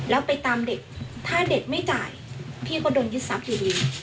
แล้วไปตามเด็กถ้าเด็กไม่จ่ายพี่ก็โดนยึดทรัพย์อยู่ดี